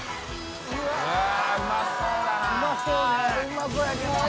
うまそうやけど。